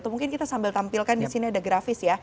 mungkin kita sambil tampilkan disini ada grafis